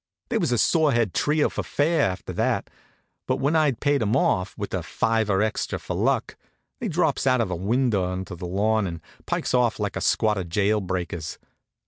They was a sore head trio for fair, after that; but when I'd paid 'em off, with a fiver extra for luck, they drops out of a window onto the lawn and pikes off like a squad of jail breakers.